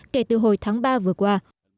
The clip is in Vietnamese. kể từ hồi tháng ba vừa qua